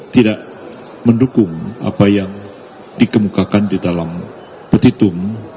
tidak mendukung apa yang dikemukakan di dalam petitum